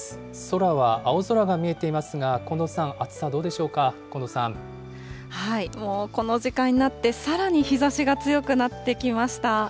空は青空が見えていますが、近藤さん、もうこの時間になって、さらに日ざしが強くなってきました。